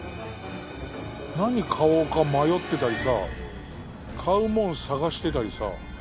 何買おうか迷ってたりさ買う物探してたりさ。